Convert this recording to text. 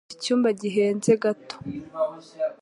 Ufite icyumba gihenze gato?